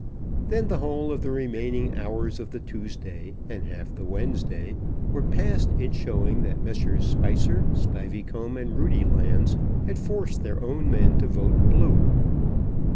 Then the whole of the remaining hours of the Tuesday and half the Wednesday were passed in showing that Messrs. Spicer, Spiveycomb, and Roodylands had forced their own men to vote blue.